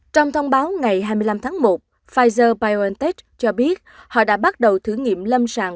trong thông báo ngày hai mươi năm tháng một pfizer biontech cho biết họ đã bắt đầu thử nghiệm lâm sàng